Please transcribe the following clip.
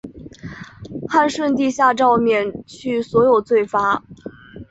汉顺帝下诏免去所有罪罚。